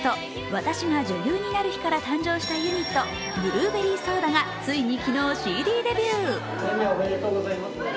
「『私が女優になる日＿』」から誕生したユニットブルーベリーソーダがついに昨日、ＣＤデビュー。